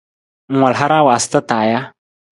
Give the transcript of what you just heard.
Ng wal hara waasata taa ja?